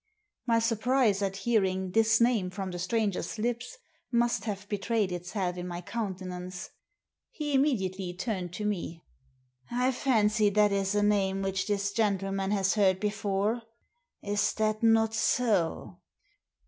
My surprise at hearing this name from the stranger's lips must have betrayed itself in my countenance. He immediately turned to me. " I fancy that is a name which this gentleman has heard before. Is that not so